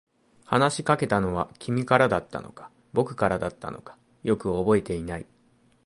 話しかけたのは君からだったのか、僕からだったのか、よく覚えていない。